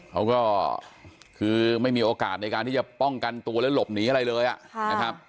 เขาก็คือไม่มีโอกาสในการที่จะป้องกันตัวและหลบหนีอะไรเลยนะครับ